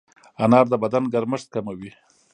انار د بدن ګرمښت کموي.